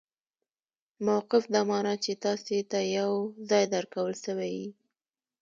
موقف دا مانا، چي تاسي ته یو ځای درکول سوی يي.